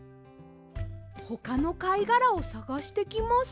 ほかのかいがらをさがしてきます。